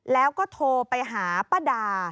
แล้วก็โทรไปหาป้าดา